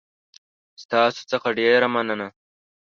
ستاسو څخه ډېره مننه